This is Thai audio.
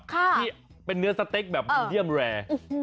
ค่ะที่เป็นเนื้อสเต๊กแบบอันเดียวแรร์